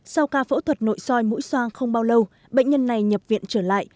sau ca phẫu thuật nội soi mũi xoang không bao lâu bệnh nhân này nhập viện trở lại